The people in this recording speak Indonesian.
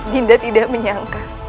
dinda tidak menyangka